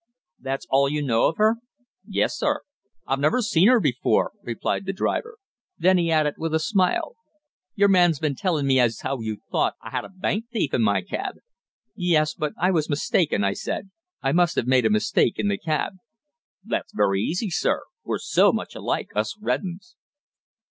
"That's all you know of her?" "Yes, sir. I've never seen 'er before," replied the driver. Then he added with a smile, "Your man's been tellin' me as how you thought I had a bank thief in my cab!" "Yes, but I was mistaken," I said. "I must have made a mistake in the cab." "That's very easy, sir. We're so much alike us red 'uns."